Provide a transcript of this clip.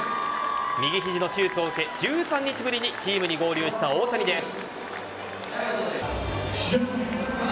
右肘の手術を受け１３日ぶりにチームに合流した大谷です。